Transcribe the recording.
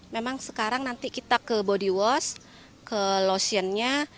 memang sekarang nanti kita ke body wash ke lotionnya